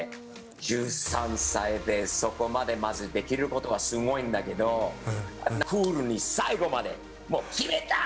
１３歳でそこまでまずできることがすごいんだけど、クールに最後まで、もう、決めたー！